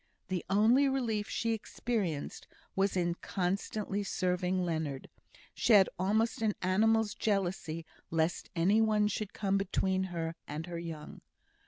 The only relief she experienced was in constantly serving Leonard; she had almost an animal's jealousy lest any one should come between her and her young.